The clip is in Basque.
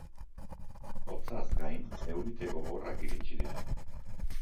Hotzaz gain, eurite gogorrak iritsi dira.